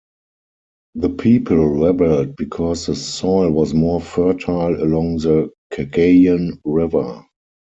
The people rebelled because the soil was more fertile along the Cagayan River.